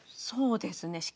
そうですね。